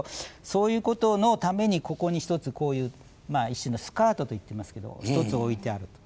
そういうことのためにここに一つこういう一種の「スカート」と言っていますけど一つ置いてあると。